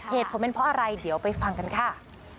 เหตุผลเป็นเพราะอะไรเดี๋ยวไปฟังกันค่ะ